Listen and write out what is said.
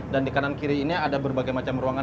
dan di kanan kiri ini ada berbagai macam ruangan